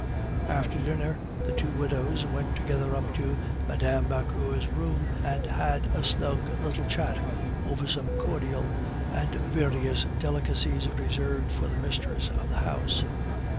After dinner the two widows went together up to Mme. Vauquer's room, and had a snug little chat over some cordial and various delicacies reserved for the mistress of the house.